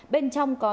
bên trong có